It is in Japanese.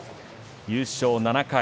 優勝７回。